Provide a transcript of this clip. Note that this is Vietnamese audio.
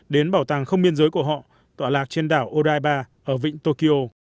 đến bảo tàng không biên giới của họ tọa lạc trên đảo oda ở vịnh tokyo